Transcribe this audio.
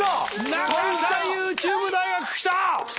中田ＹｏｕＴｕｂｅ大学きた！